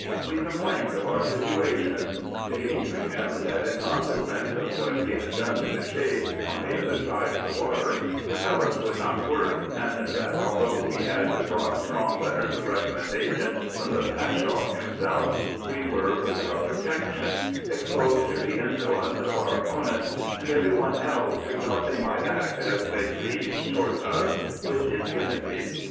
192 RESEARCHES AND OPERATIONS we complained of our situation ; stating to him, that in con sequence of what he had done to the Sheik on the other side of the water, the Fellahs would not work, and that, although we had brought strong letters of recommendation from the Bashaw himself, we were without protection, exposed to the insolence of our op ponents, and every one else, who thought they might act as they pleased towards us with impunity.